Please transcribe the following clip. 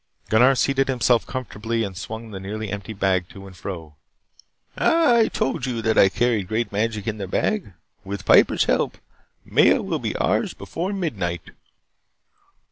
Gunnar seated himself comfortably and swung the nearly empty bag to and fro. "Ah, I told you that I carried great magic in the bag. With Piper's help, Maya will be ours before midnight."